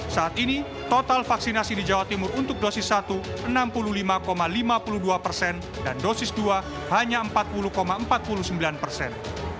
saat ini total vaksinasi di jawa timur untuk dosis satu enam puluh lima lima puluh dua persen dan dosis dua hanya empat puluh empat puluh sembilan persen